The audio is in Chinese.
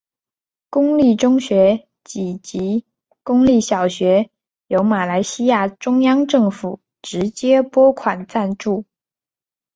公立中学以及公立小学由马来西亚中央政府直接拨款赞助。